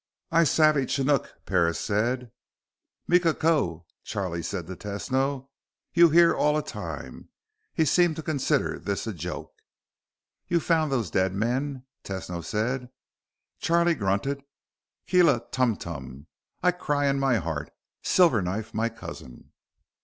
"I savvy Chinook," Parris said. "Mika ko," Charlie said to Tesno. "You here all a time." He seemed to consider this a joke. "You found those dead men," Tesno said. Charlie grunted. "Kely tum tum. I cry in my heart. Silverknife my cousin."